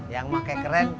yang pake keren